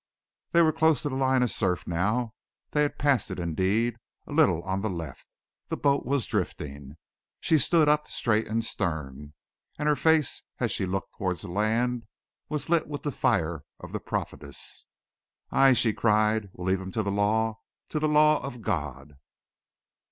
They were close to the line of surf now; they had passed it, indeed, a little on the left, and the boat was drifting. She stood up, straight and stern, and her face, as she looked towards the land, was lit with the fire of the prophetess. "Aye," she cried, "we'll leave him to the law to the law of God!"